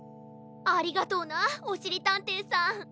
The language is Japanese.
ありがとうなおしりたんていさん。